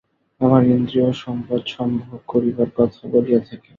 আমরা ইন্দ্রিয় ও সম্পদ সম্ভোগ করিবার কথা বলিয়া থাকি।